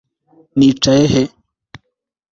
nicaye he